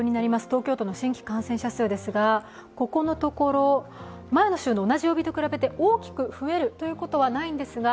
東京都の新規感染者数ですが、ここのところ、前の週の同じ曜日と比べて、大きく増えるということはないんですが、